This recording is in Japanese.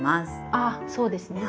あっそうですね。